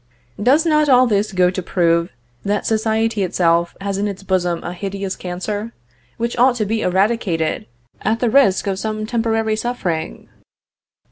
Does not all this go to prove, that society itself has in its bosom a hideous cancer, which ought to be eradicated at the risk of some temporary suffering?"